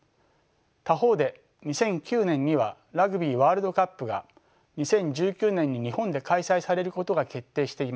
他方で２００９年にはラグビーワールドカップが２０１９年に日本で開催されることが決定していました。